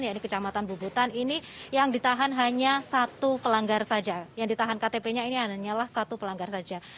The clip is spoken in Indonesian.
yaitu kecamatan bubutan ini yang ditahan hanya satu pelanggar saja yang ditahan ktp nya ini hanyalah satu pelanggar saja